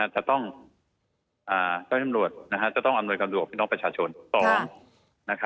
๑จะต้องอำนวยความสะดวกของพี่น้องประชาชน